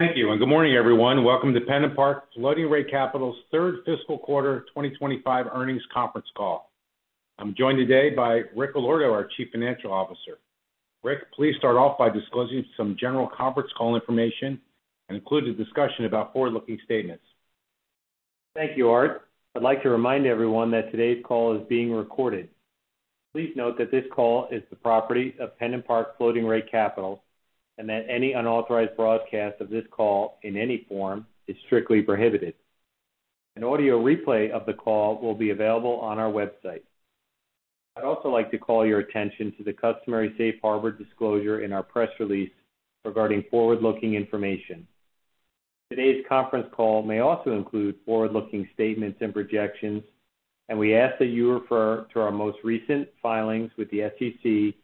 Thank you and good morning, everyone. Welcome to PennantPark Floating Rate Capital's Third Fiscal Quarter 2025 earnings conference call. I'm joined today by Rick Allorto, our Chief Financial Officer. Rick, please start off by disclosing some general conference call information and include a discussion about forward-looking statements. Thank you, Art. I'd like to remind everyone that today's call is being recorded. Please note that this call is the property of PennantPark Floating Rate Capital and that any unauthorized broadcast of this call in any form is strictly prohibited. An audio replay of the call will be available on our website. I'd also like to call your attention to the customary safe harbor disclosure in our press release regarding forward-looking information. Today's conference call may also include forward-looking statements and projections, and we ask that you refer to our most recent filings with the SEC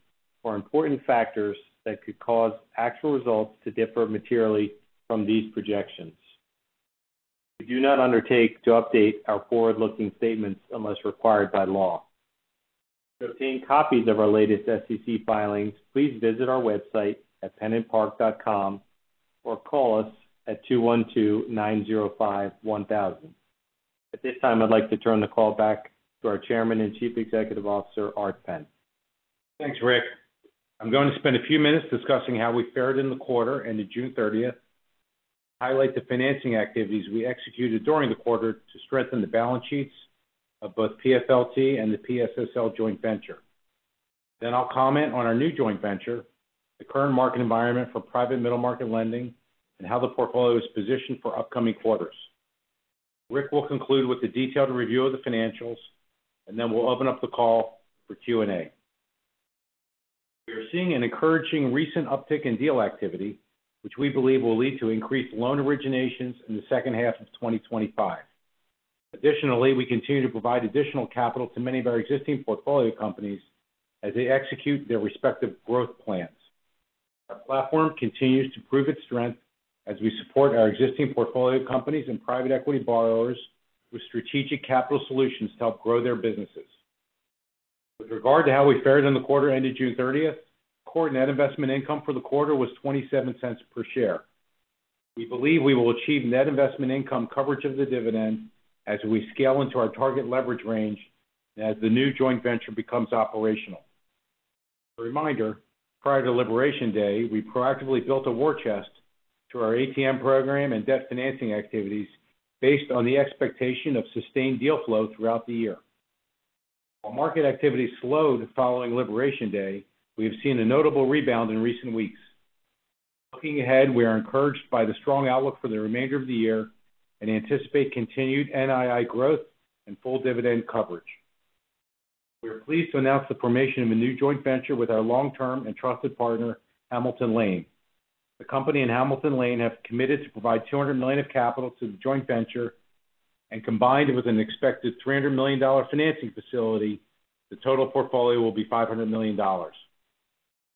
for important factors that could cause actual results to differ materially from these projections. We do not undertake to update our forward-looking statements unless required by law. To obtain copies of our latest SEC filings, please visit our website at pennantpark.com or call us at 212-905-1000. At this time, I'd like to turn the call back to our Chairman and Chief Executive Officer, Art Penn. Thanks, Rick. I'm going to spend a few minutes discussing how we fared in the quarter ended June 30th. I will highlight the financing activities we executed during the quarter to strengthen the balance sheets of both PFLT and the PSSL joint venture. Then I'll comment on our new joint venture, the current market environment for private middle market lending, and how the portfolio is positioned for upcoming quarters. Rick will conclude with a detailed review of the financials, and then we'll open up the call for Q&A. We're seeing an encouraging recent uptick in deal activity, which we believe will lead to increased loan originations in the second half of 2025. Additionally, we continue to provide additional capital to many of our existing portfolio companies as they execute their respective growth plans. Our platform continues to prove its strength as we support our existing portfolio companies and private equity borrowers with strategic capital solutions to help grow their businesses. With regard to how we fared in the quarter ended June 30th, core net investment income for the quarter was $0.27 per share. We believe we will achieve net investment income coverage of the dividend as we scale into our target leverage range and as the new joint venture becomes operational. A reminder, prior to Liberation Day, we proactively built a war chest through our ATM program and debt financing activities based on the expectation of sustained deal flow throughout the year. While market activity slowed following Liberation Day, we have seen a notable rebound in recent weeks. Looking ahead, we are encouraged by the strong outlook for the remainder of the year and anticipate continued NII growth and full dividend coverage. We are pleased to announce the formation of a new joint venture with our long-term and trusted partner, Hamilton Lane. The company and Hamilton Lane have committed to provide $200 million of capital to the joint venture, and combined with an expected $300 million financing facility, the total portfolio will be $500 million.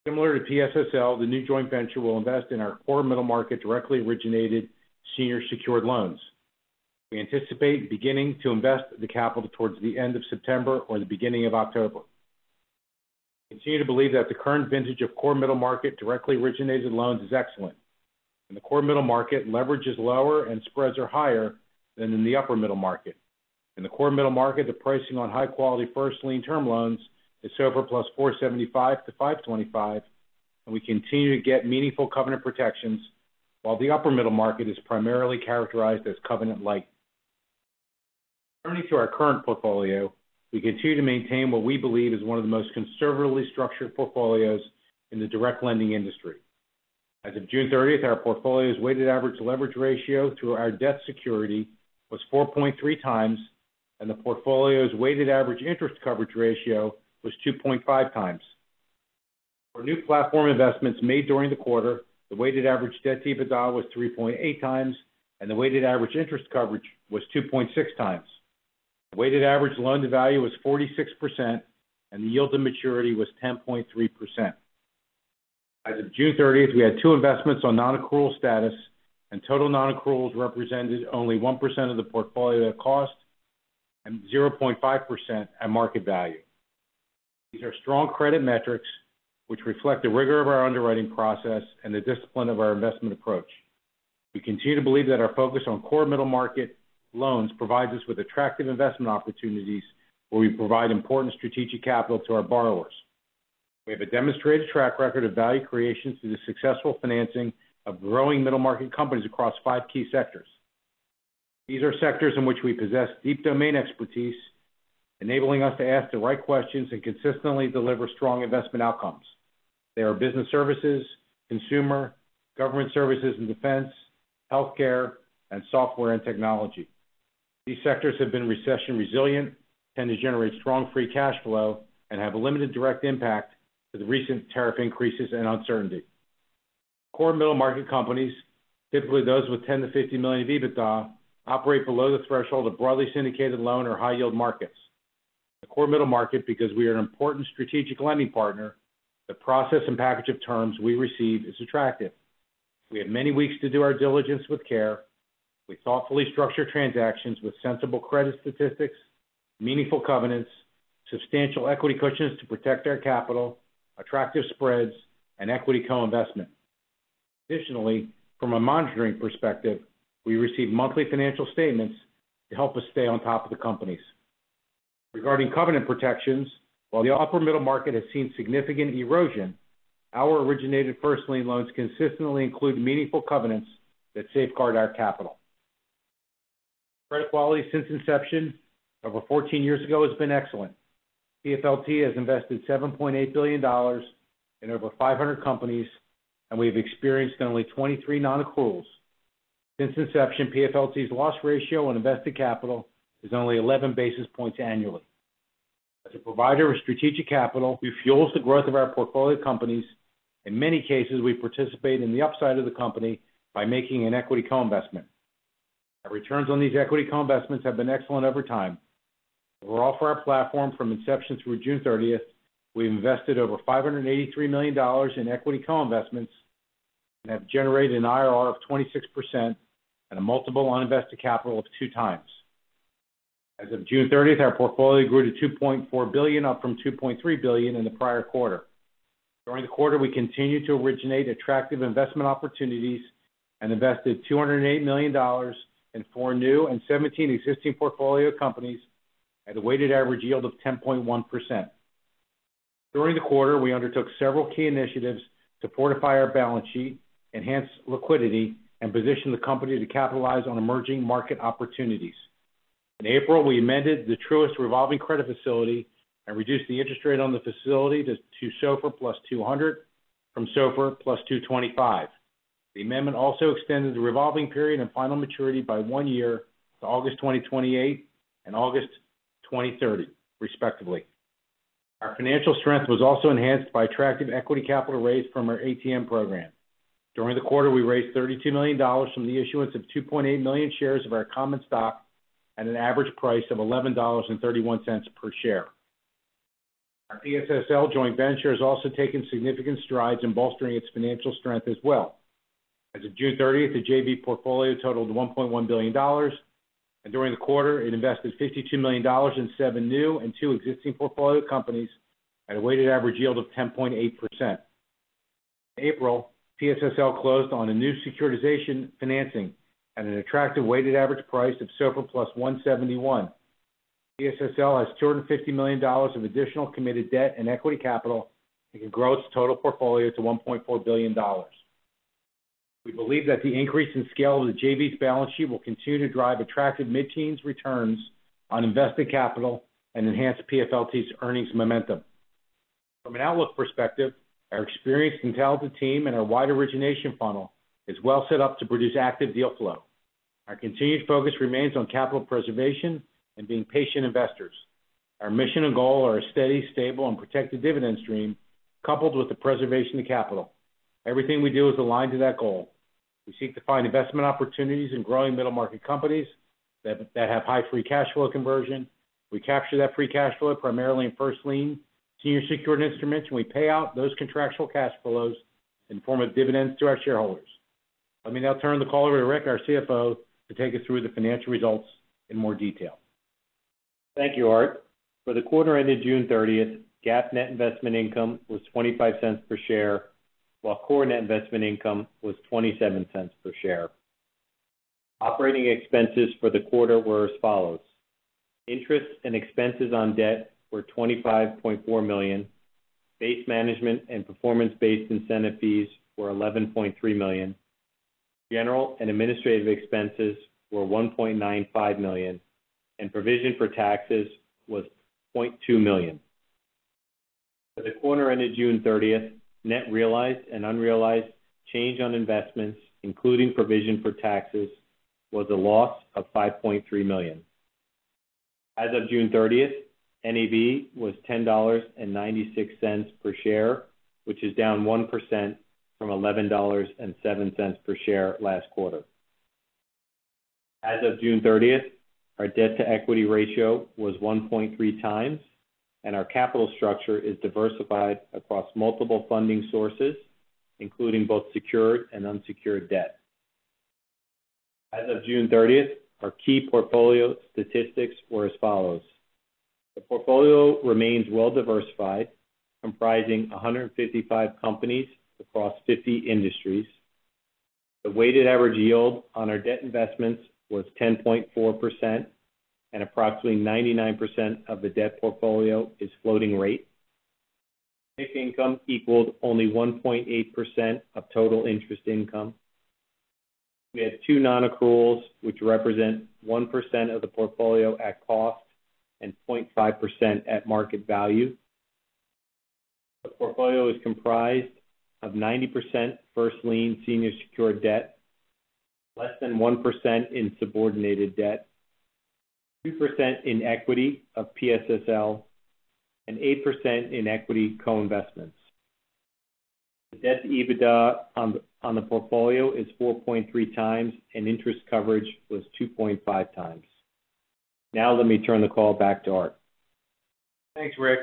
Similar to PSSL, the new joint venture will invest in our core middle market directly originated senior secured loans. We anticipate beginning to invest the capital towards the end of September or the beginning of October. We continue to believe that the current vintage of core middle market directly originated loans is excellent, and the core middle market leverage is lower and spreads are higher than in the upper middle market. In the core middle market, the pricing on high-quality first lien term loans is SOFR plus to 525, and we continue to get meaningful covenant protections, while the upper middle market is primarily characterized as covenant-lite. Returning to our current portfolio, we continue to maintain what we believe is one of the most conservatively structured portfolios in the direct lending industry. As of June 30, our portfolio's weighted average leverage ratio through our debt security was 4.3x, and the portfolio's weighted average interest coverage ratio was 2.5x. For new platform investments made during the quarter, the weighted average debt to EBITDA was 3.8x, and the weighted average interest coverage was 2.6x. The weighted average loan to value was 46%, and the yield to maturity was 10.3%. As of June 30, we had two investments on non-accrual status, and total non-accruals represented only 1% of the portfolio at cost and 0.5% at market value. These are strong credit metrics, which reflect the rigor of our underwriting process and the discipline of our investment approach. We continue to believe that our focus on core middle market loans provides us with attractive investment opportunities where we provide important strategic capital to our borrowers. We have a demonstrated track record of value creation through the successful financing of growing middle market companies across five key sectors. These are sectors in which we possess deep domain expertise, enabling us to ask the right questions and consistently deliver strong investment outcomes. They are business services, consumer, government services and defense, healthcare, and software and technology. These sectors have been recession-resilient, tend to generate strong free cash flow, and have a limited direct impact to the recent tariff increases and uncertainty. Core middle market companies, typically those with $10 million-$50 million of EBITDA, operate below the threshold of broadly syndicated loan or high-yield markets. The core middle market, because we are an important strategic lending partner, the process and package of terms we receive is attractive. We have many weeks to do our diligence with care. We thoughtfully structure transactions with sensible credit statistics, meaningful covenants, substantial equity cushions to protect our capital, attractive spreads, and equity co-investment. Additionally, from a monitoring perspective, we receive monthly financial statements to help us stay on top of the companies. Regarding covenant protections, while the upper middle market has seen significant erosion, our originated first lien loans consistently include meaningful covenants that safeguard our capital. Credit quality since inception, over 14 years ago, has been excellent. PFLT has invested $7.8 billion in over 500 companies, and we have experienced only 23 non-accruals. Since inception, PFLT's loss ratio on invested capital is only 11 basis points annually. As a provider of strategic capital, we fuel the growth of our portfolio companies. In many cases, we participate in the upside of the company by making an equity co-investment. Our returns on these equity co-investments have been excellent over time. Overall, for our platform from inception through June 30th, we've invested over $583 million in equity co-investments and have generated an IRR of 26% and a multiple on invested capital of two times. As of June 30th, our portfolio grew to $2.4 billion, up from $2.3 billion in the prior quarter. During the quarter, we continued to originate attractive investment opportunities and invested $208 million in four new and 17 existing portfolio companies at a weighted average yield of 10.1%. During the quarter, we undertook several key initiatives to fortify our balance sheet, enhance liquidity, and position the company to capitalize on emerging market opportunities. In April, we amended the Truist revolving credit facility and reduced the interest rate on the facility to SOFR plus 200 from SOFR plus 225. The amendment also extended the revolving period and final maturity by one year to August 2028 and August 2030, respectively. Financial strength was also enhanced by attractive equity capital raised from our ATM program. During the quarter, we raised $32 million from the issuance of 2.8 million shares of our common stock at an average price of $11.31 per share. Our PSSL joint venture has also taken significant strides in bolstering its financial strength as well. As of June 30th, the JV portfolio totaled $1.1 billion, and during the quarter, it invested $52 million in seven new and two existing portfolio companies at a weighted average yield of 10.8%. In April, PSSL closed on a new securitization financing at an attractive weighted average price of SOFR plus 171. PSSL has $250 million of additional committed debt and equity capital and can grow its total portfolio to $1.4 billion. We believe that the increase in scale of the JV's balance sheet will continue to drive attractive mid-teens returns on invested capital and enhance PFLT's earnings momentum. From an outlook perspective, our experienced and talented team and our wide origination funnel are well set up to produce active deal flow. Our continued focus remains on capital preservation and being patient investors. Our mission and goal are a steady, stable, and protected dividend stream, coupled with the preservation of capital. Everything we do is aligned to that goal. We seek to find investment opportunities in growing middle market companies that have high free cash flow conversion. We capture that free cash flow primarily in first lien senior secured instruments, and we pay out those contractual cash flows in the form of dividends to our shareholders. Let me now turn the call over to Rick, our CFO, to take us through the financial results in more detail. Thank you, Art. For the quarter ended June 30th, net investment income was $0.25 per share, while core net investment income was $0.27 per share. Operating expenses for the quarter were as follows: interest and expenses on debt were $25.4 million, base management and performance-based incentive fees were $11.3 million, general and administrative expenses were $1.95 million, and provision for taxes was $0.2 million. For the quarter ended June 30th, net realized and unrealized change on investments, including provision for taxes, was a loss of $5.3 million. As of June 30th, NAV was $10.96 per share, which is down 1% from $11.07 per share last quarter. As of June 30th, our debt to equity ratio was 1.3x, and our capital structure is diversified across multiple funding sources, including both secured and unsecured debt. As of June 30th, our key portfolio statistics were as follows: the portfolio remains well diversified, comprising 155 companies across 50 industries. The weighted average yield on our debt investments was 10.4%, and approximately 99% of the debt portfolio is floating rate. Base income equaled only 1.8% of total interest income. We have two non-accruals, which represent 1% of the portfolio at cost and 0.5% at market value. Our portfolio is comprised of 90% first lien senior secured debt, less than 1% in subordinated debt, 3% in equity of PSSL, and 8% in equity co-investments. The debt to EBITDA on the portfolio is 4.3 times, and interest coverage was 2.5 times. Now let me turn the call back to Art. Thanks, Rick.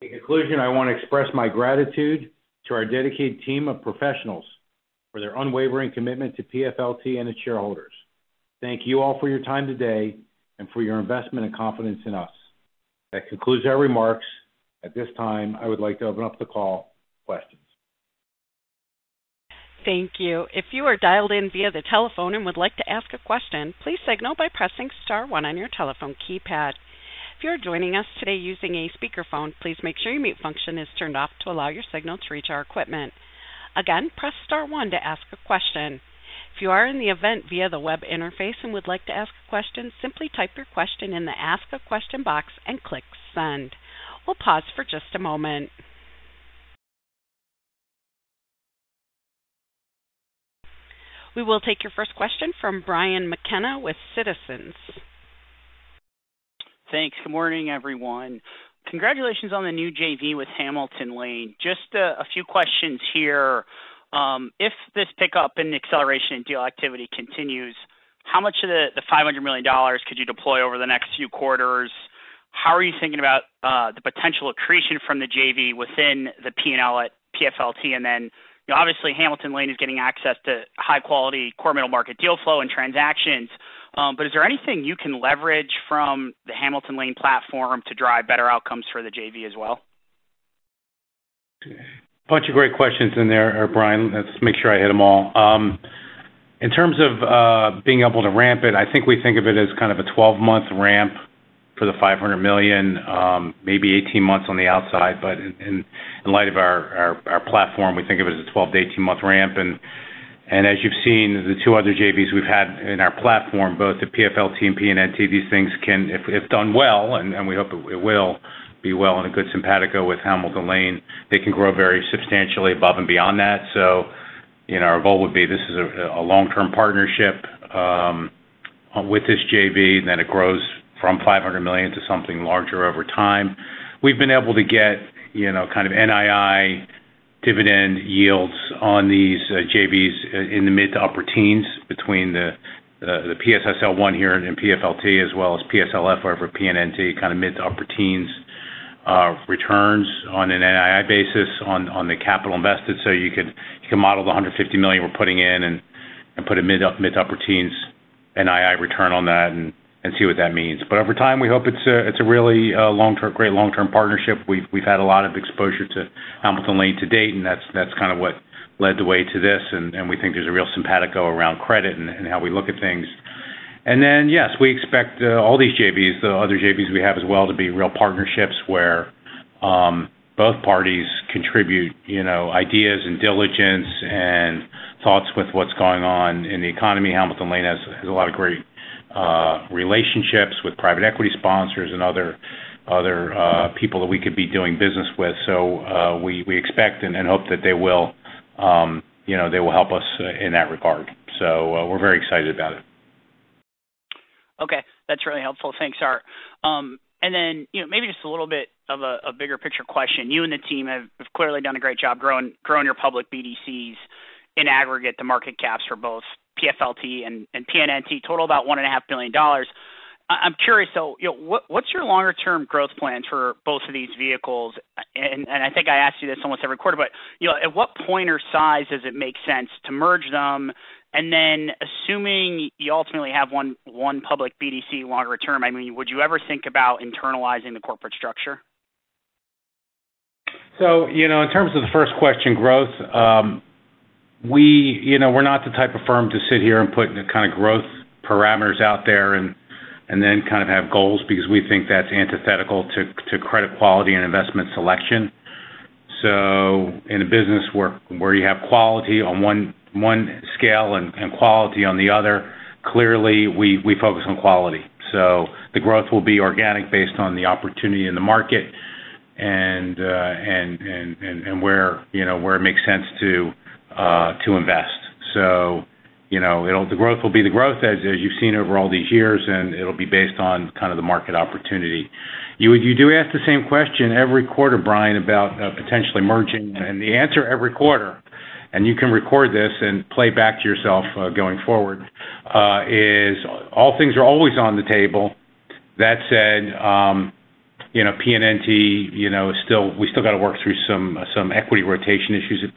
In conclusion, I want to express my gratitude to our dedicated team of professionals for their unwavering commitment to PFLT and its shareholders. Thank you all for your time today and for your investment and confidence in us. That concludes our remarks. At this time, I would like to open up the call for questions. Thank you. If you are dialed in via the telephone and would like to ask a question, please signal by pressing star one on your telephone keypad. If you are joining us today using a speakerphone, please make sure your mute function is turned off to allow your signal to reach our equipment. Again, press star one to ask a question. If you are in the event via the web interface and would like to ask a question, simply type your question in the ask a question box and click send. We'll pause for just a moment. We will take your first question from Brian McKenna with Citizens. Thanks. Good morning, everyone. Congratulations on the new JV with Hamilton Lane. Just a few questions here. If this pickup in acceleration and deal activity continues, how much of the $500 million could you deploy over the next few quarters? How are you thinking about the potential accretion from the JV within the P&L at PFLT? Obviously, Hamilton Lane is getting access to high-quality core middle market deal flow and transactions. Is there anything you can leverage from the Hamilton Lane platform to drive better outcomes for the JV as well? A bunch of great questions in there, Brian. Let's make sure I hit them all. In terms of being able to ramp it, I think we think of it as kind of a 12-month ramp for the $500 million, maybe 18 months on the outside. In light of our platform, we think of it as a 12 month-18 month ramp. As you've seen, the two other JVs we've had in our platform, both the PFLT and PNNT, these things can, if done well, and we hope it will be well and a good simpatico with Hamilton Lane, they can grow very substantially above and beyond that. Our vote would be this is a long-term partnership with this JV, and then it grows from $500 million to something larger over time. We've been able to get kind of NII dividend yields on these JVs in the mid to upper teens between the PSSL one here and PFLT, as well as PSSL over PNNT, kind of mid to upper teens returns on an NII basis on the capital invested. You can model the $150 million we're putting in and put a mid to upper teens NII return on that and see what that means. Over time, we hope it's a really great long-term partnership. We've had a lot of exposure to Hamilton Lane to date, and that's kind of what led the way to this. We think there's a real simpatico around credit and how we look at things. Yes, we expect all these JVs, the other JVs we have as well, to be real partnerships where both parties contribute ideas and diligence and thoughts with what's going on in the economy. Hamilton Lane has a lot of great relationships with private equity sponsors and other people that we could be doing business with. We expect and hope that they will help us in that regard. We're very excited about it. Okay, that's really helpful. Thanks, Art. Maybe just a little bit of a bigger picture question. You and the team have clearly done a great job growing your public BDCs in aggregate, the market caps for both PFLT and PNNT total about $1.5 billion. I'm curious, what's your longer-term growth plan for both of these vehicles? I think I ask you this almost every quarter, but at what point or size does it make sense to merge them? Assuming you ultimately have one public BDC longer term, would you ever think about internalizing the corporate structure? In terms of the first question, growth, we're not the type of firm to sit here and put kind of growth parameters out there and then kind of have goals because we think that's antithetical to credit quality and investment selection. In a business where you have quality on one scale and quality on the other, clearly we focus on quality. The growth will be organic based on the opportunity in the market and where it makes sense to invest. The growth will be the growth, as you've seen over all these years, and it'll be based on kind of the market opportunity. You do ask the same question every quarter, Brian, about potentially merging, and the answer every quarter, and you can record this and play back to yourself going forward, is all things are always on the table. That said, we still have to work through some equity rotation issues at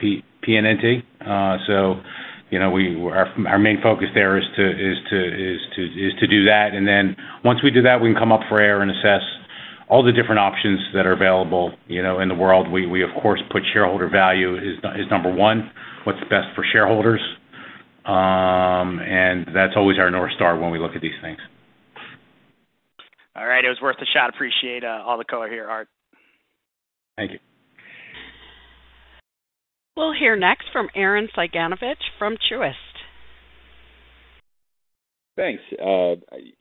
PNNT. Our main focus there is to do that. Once we do that, we can come up for air and assess all the different options that are available in the world. We, of course, put shareholder value as number one, what's best for shareholders. That's always our north star when we look at these things. All right, it was worth the shot. Appreciate all the color here, Art. Thank you. We'll hear next from Arren Saul Cyganovich from Truist. Thanks.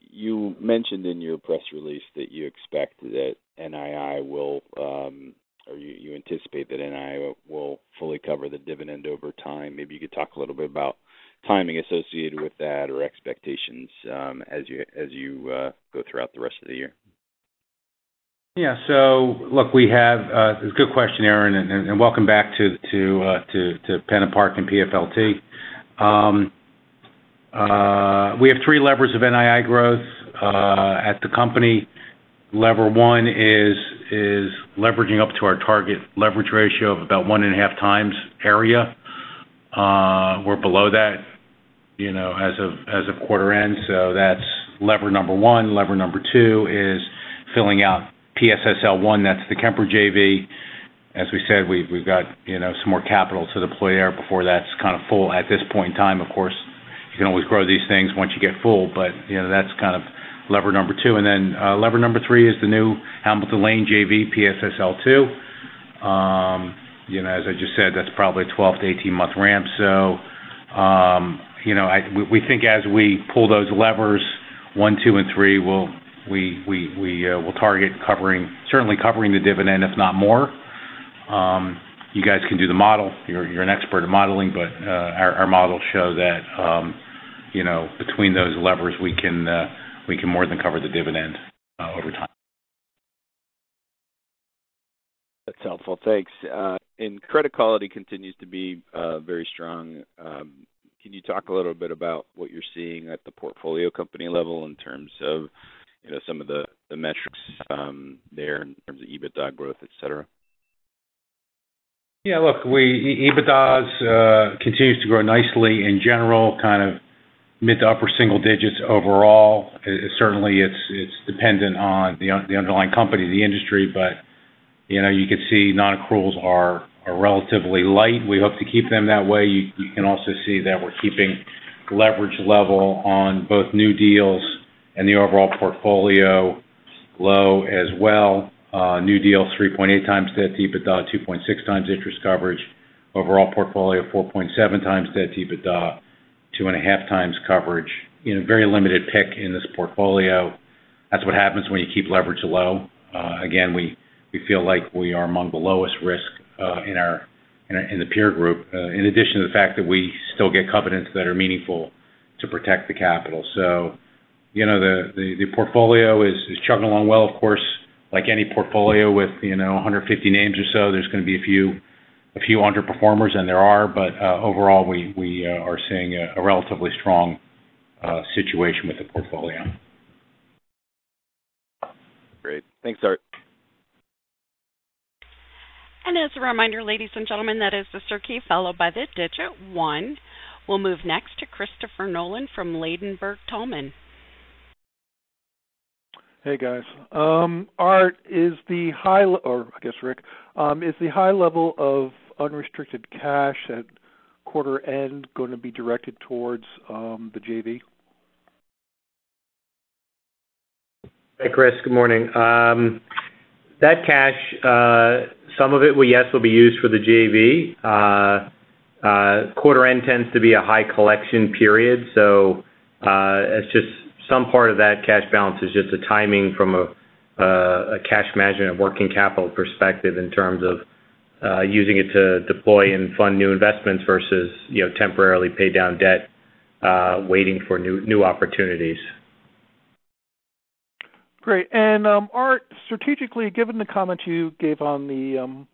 You mentioned in your press release that you expect that NII will, or you anticipate that NII will fully cover the dividend over time. Maybe you could talk a little bit about timing associated with that or expectations as you go throughout the rest of the year. Yeah, so look, we have, it's a good question, Arren, and welcome back to PennantPark and PFLT. We have three levers of NII growth at the company. Lever one is leveraging up to our target leverage ratio of about 1.5x area. We're below that as of quarter end. That's lever number one. Lever number two is filling out PSSL I, that's the Kemper JV. As we said, we've got some more capital to deploy there before that's kind of full at this point in time. Of course, you can always grow these things once you get full, but that's kind of lever number two. Lever number three is the new Hamilton Lane JV, PSSL II. As I just said, that's probably a 12 month-18 month ramp. We think as we pull those levers, one, two, and three, we'll target certainly covering the dividend, if not more. You guys can do the model. You're an expert at modeling, but our models show that between those levers, we can more than cover the dividend over time. That's helpful. Thanks. Credit quality continues to be very strong. Can you talk a little bit about what you're seeing at the portfolio company level in terms of some of the metrics there in terms of EBITDA growth, et cetera? Yeah, look, EBITDA continues to grow nicely in general, kind of mid to upper single digits overall. Certainly, it's dependent on the underlying company, the industry, but you can see non-accruals are relatively light. We hope to keep them that way. You can also see that we're keeping leverage level on both new deals and the overall portfolio low as well. New deals, 3.8 times debt to EBITDA, 2.6 times interest coverage. Overall portfolio, 4.7x debt to EBITDA, 2.5x coverage. You know, very limited pick in this portfolio. That's what happens when you keep leverage low. Again, we feel like we are among the lowest risk in the peer group, in addition to the fact that we still get covenants that are meaningful to protect the capital. The portfolio is chugging along well, of course, like any portfolio with 150 names or so. There's going to be a few underperformers, and there are, but overall, we are seeing a relatively strong situation with the portfolio. Great. Thanks, Art. As a reminder, ladies and gentlemen, that is the circuit followed by the digit one. We'll move next to Christopher Nolan from Ladenburg Thalmann. Hey guys. Art, is the high, or I guess Rick, is the high level of unrestricted cash at quarter end going to be directed towards the JV? Hey Chris, good morning. That cash, some of it, yes, will be used for the JV. Quarter end tends to be a high collection period, so some part of that cash balance is just a timing from a cash management and working capital perspective in terms of using it to deploy and fund new investments versus temporarily paid down debt waiting for new opportunities. Great. Art, strategically, given the comments you gave on the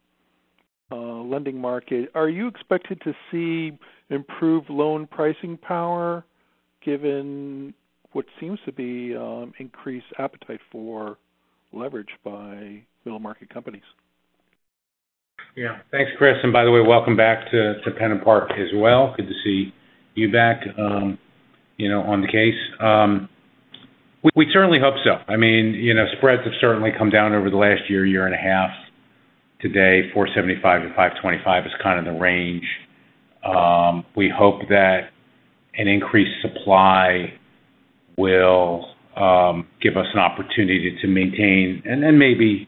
lending market, are you expected to see improved loan pricing power given what seems to be increased appetite for leverage by middle market companies? Yeah, thanks, Chris. By the way, welcome back to PennantPark as well. Good to see you back on the case. We certainly hope so. Spreads have certainly come down over the last year, year and a half. Today, 475-525 is kind of the range. We hope that an increased supply will give us an opportunity to maintain and maybe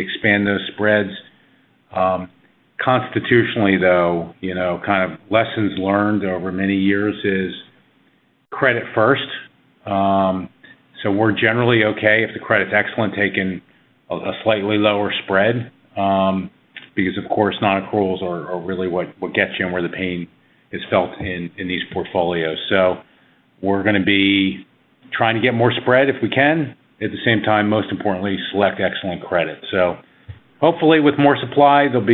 expand those spreads. Constitutionally, though, kind of lessons learned over many years is credit first. We're generally okay if the credit's excellent, taking a slightly lower spread because, of course, non-accruals are really what gets you and where the pain is felt in these portfolios. We're going to be trying to get more spread if we can. At the same time, most importantly, select excellent credit. Hopefully with more supply, there'll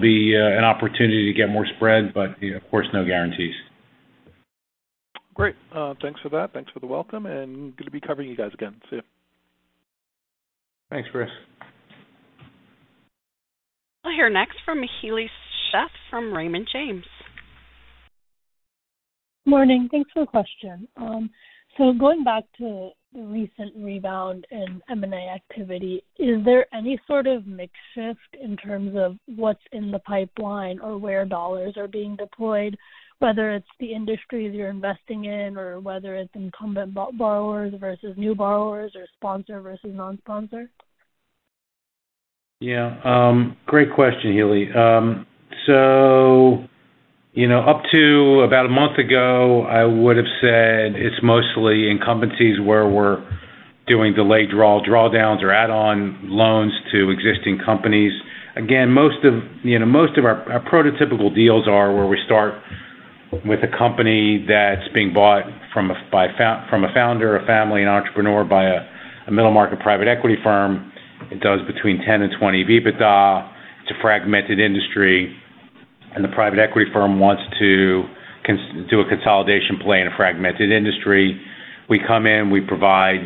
be an opportunity to get more spread, but of course, no guarantees. Great. Thanks for that. Thanks for the welcome. Good to be covering you guys again. See you. Thanks, Chris. We'll hear next from Heli Sheth from Raymond James. Morning. Thanks for the question. Going back to the recent rebound in M&A activity, is there any sort of makeshift in terms of what's in the pipeline or where dollars are being deployed, whether it's the industries you're investing in or whether it's incumbent borrowers versus new borrowers or sponsor versus non-sponsor? Yeah, great question, Healy. Up to about a month ago, I would have said it's mostly incumbencies where we're doing delayed draw, drawdowns, or add-on loans to existing companies. Most of our prototypical deals are where we start with a company that's being bought from a founder, a family, an entrepreneur by a middle market private equity firm. It does between $10 million and $20 million EBITDA in a fragmented industry, and the private equity firm wants to do a consolidation play in a fragmented industry. We come in, we provide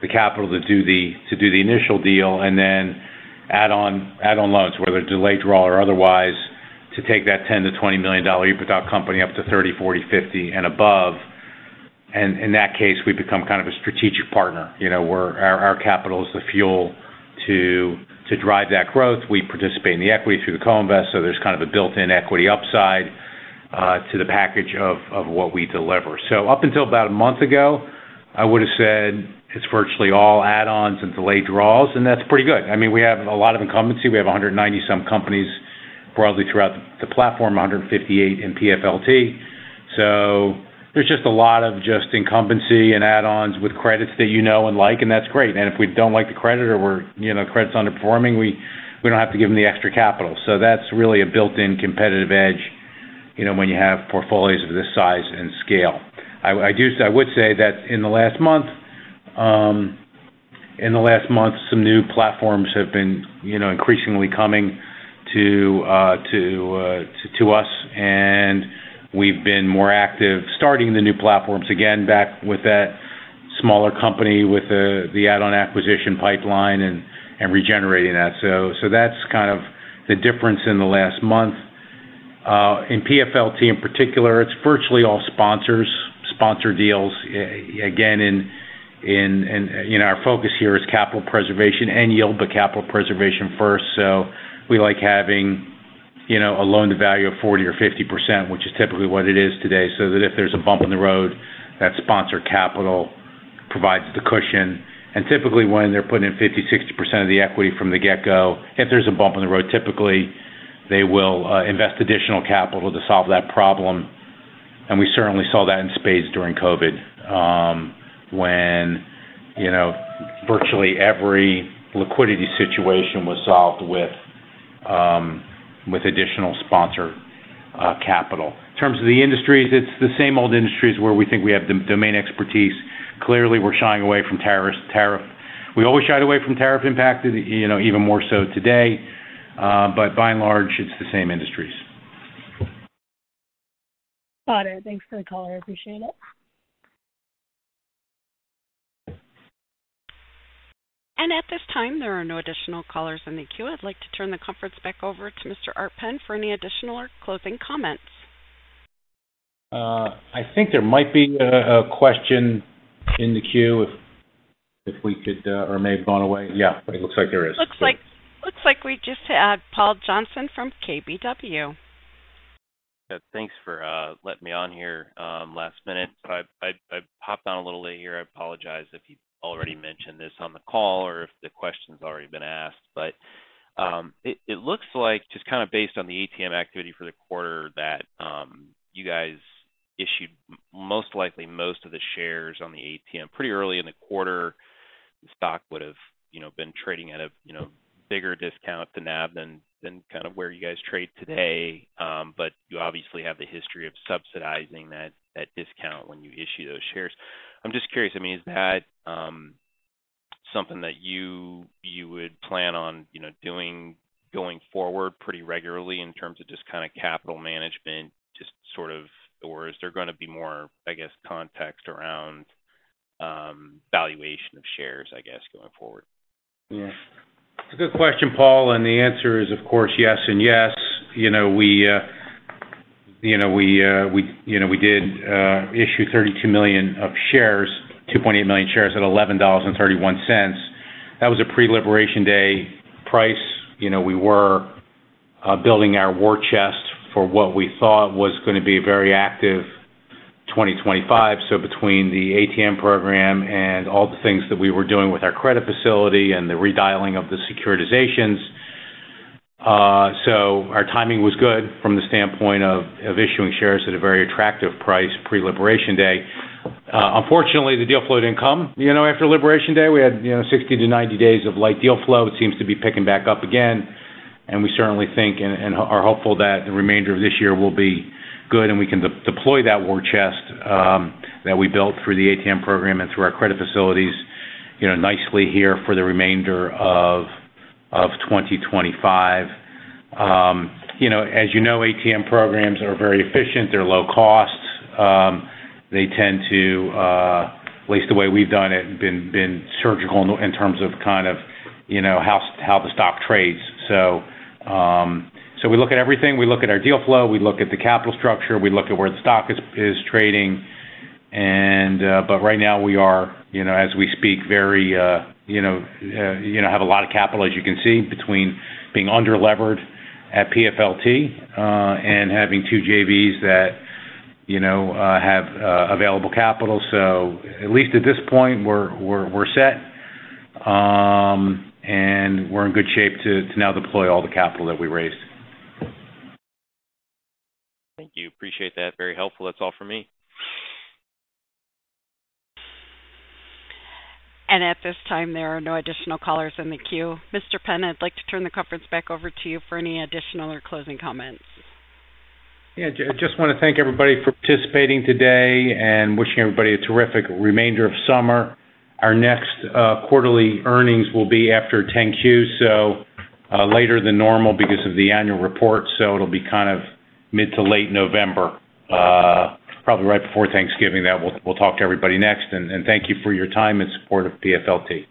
the capital to do the initial deal, and then add-on loans, whether delayed draw or otherwise, to take that $10 million-$20 million EBITDA company up to $30 million, $40 million, $50 million, and above. In that case, we become kind of a strategic partner. Our capital is the fuel to drive that growth. We participate in the equity through the co-invest, so there's kind of a built-in equity upside to the package of what we deliver. Up until about a month ago, I would have said it's virtually all add-ons and delayed draws, and that's pretty good. We have a lot of incumbency. We have 190-some companies broadly throughout the platform, 158 in PennantPark Floating Rate Capital. There's just a lot of incumbency and add-ons with credits that you know and like, and that's great. If we don't like the credit or the credit's underperforming, we don't have to give them the extra capital. That's really a built-in competitive edge when you have portfolios of this size and scale. I would say that in the last month, some new platforms have been increasingly coming to us, and we've been more active starting the new platforms again, back with that smaller company with the add-on acquisition pipeline and regenerating that. That's kind of the difference in the last month. In PennantPark Floating Rate Capital in particular, it's virtually all sponsors, sponsor deals. Our focus here is capital preservation and yield, but capital preservation first. We like having a loan to value of 40% or 50%, which is typically what it is today, so that if there's a bump in the road, that sponsor capital provides the cushion. Typically, when they're putting in 50% or 60% of the equity from the get-go, if there's a bump in the road, typically they will invest additional capital to solve that problem. We certainly saw that in spades during COVID, when virtually every liquidity situation was solved with additional sponsor capital. In terms of the industries, it's the same old industries where we think we have the domain expertise. Clearly, we're shying away from tariffs. We always shied away from tariff impact, even more so today, but by and large, it's the same industries. Got it. Thanks for the call. I appreciate it. At this time, there are no additional callers in the queue. I'd like to turn the conference back over to Mr. Art Penn for any additional or closing comments. I think there might be a question in the queue, if we could, or may have gone away. Yeah, it looks like there is. Looks like we just had Paul Johnson from KBW. Thanks for letting me on here last minute. I popped on a little late here. I apologize if you already mentioned this on the call or if the question's already been asked. It looks like, just kind of based on the ATM activity for the quarter, that you guys issued most likely most of the shares on the ATM pretty early in the quarter. The stock would have been trading at a bigger discount to NAV than kind of where you guys trade today. You obviously have the history of subsidizing that discount when you issue those shares. I'm just curious, is that something that you would plan on doing going forward pretty regularly in terms of just kind of capital management? Is there going to be more, I guess, context around valuation of shares, I guess, going forward? Yeah, it's a good question, Paul. The answer is, of course, yes and yes. We did issue $32 million of shares, 2.8 million shares at $11.31. That was a pre-Liberation Day price. We were building our war chest for what we thought was going to be a very active 2025. Between the ATM program and all the things that we were doing with our credit facility and the redialing of the securitizations, our timing was good from the standpoint of issuing shares at a very attractive price pre-Liberation Day. Unfortunately, the deal flow didn't come after Liberation Day. We had 60 to 90 days of light deal flow. It seems to be picking back up again. We certainly think and are hopeful that the remainder of this year will be good and we can deploy that war chest that we built through the ATM program and through our credit facilities nicely here for the remainder of 2025. As you know, ATM programs are very efficient. They're low cost. They tend to, at least the way we've done it, have been surgical in terms of kind of how the stock trades. We look at everything. We look at our deal flow. We look at the capital structure. We look at where the stock is trading. Right now, we are, as we speak, have a lot of capital, as you can see, between being under-levered at PFLT and having two JVs that have available capital. At least at this point, we're set and we're in good shape to now deploy all the capital that we raised. Thank you. Appreciate that. Very helpful. That's all for me. At this time, there are no additional callers in the queue. Mr. Penn, I'd like to turn the conference back over to you for any additional or closing comments. Yeah, I just want to thank everybody for participating today and wishing everybody a terrific remainder of summer. Our next quarterly earnings will be after 10-Q, later than normal because of the annual report. It'll be kind of mid to late November, probably right before Thanksgiving. We'll talk to everybody next. Thank you for your time and support of PFLT.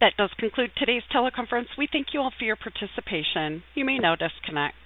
That does conclude today's teleconference. We thank you all for your participation. You may now disconnect.